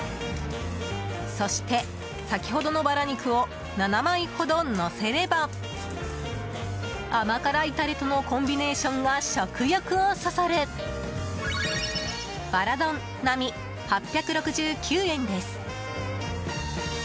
そして、先ほどのバラ肉を７枚ほどのせれば甘辛いタレとのコンビネーションが食欲をそそるバラ丼並、８６９円です。